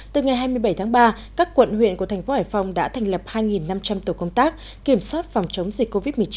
từ ngày hai mươi bảy tháng ba các quận huyện của thành phố hải phòng đã thành lập hai năm trăm linh tổ công tác kiểm soát phòng chống dịch covid một mươi chín